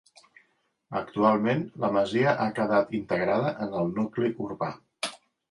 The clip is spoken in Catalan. Actualment la masia ha quedat integrada en el nucli urbà.